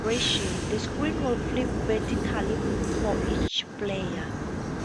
In this configuration, the screen would flip vertically for each player.